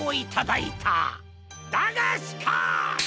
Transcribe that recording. だがしかし！